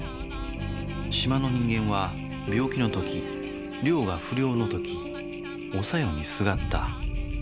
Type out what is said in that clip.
島の人間は病気の時漁が不漁の時お小夜にすがった。